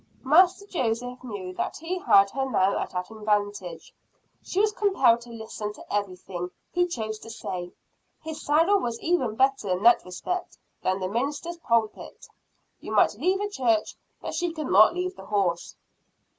Master Joseph knew that he had her now at an advantage; she was compelled to listen to everything he chose to say. His saddle was even better in that respect than the minister's pulpit you might leave a church, but she could not leave the horse.